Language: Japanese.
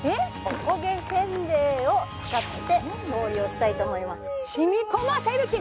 おこげせんべいを使って調理をしたいと思います